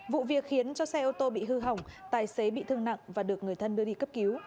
vụ việc khiến cho xe ô tô bị hư hỏng tài xế bị thương nặng và được người thân đưa đi cấp cứu